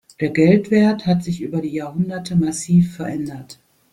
Der Geldwert hatte sich über die Jahrhunderte massiv verändert.